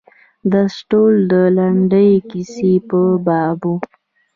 درس ټول د لنډې کیسې په باب و.